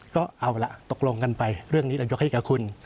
ก็เอาล่ะตกลงกันไปเรื่องนี้เรายกให้กับคุณ